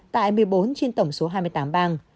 tại một mươi bốn trên tổng số hai mươi tám bang